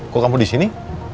kok kamu di sini